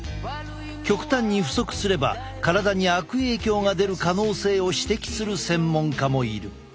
極端に不足すれば体に悪影響が出る可能性を指摘する専門家もいる。